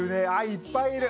いっぱいいる。